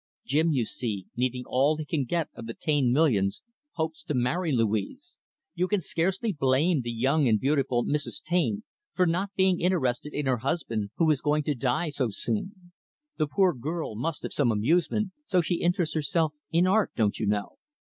Jim, you see, needing all he can get of the Taine millions, hopes to marry Louise. You can scarcely blame the young and beautiful Mrs. Taine for not being interested in her husband who is going to die so soon. The poor girl must have some amusement, so she interests herself in art, don't you know.